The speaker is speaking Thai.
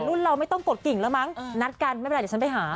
รุ่นเราไม่ต้องกดกิ่งแล้วมั้งนัดกันไม่เป็นไรเดี๋ยวฉันไปหา